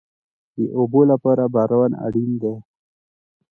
د اوبو لپاره باران اړین دی